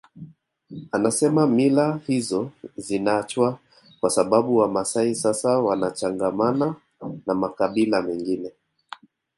Anasema mila hizo zinaachwa kwa sababu Wamaasai sasa wanachangamana na makabila mengine